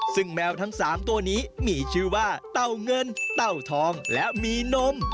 ซึ่งแมวทั้ง๓ตัวนี้มีชื่อว่าเต้าเงินเต้าทองและมีนม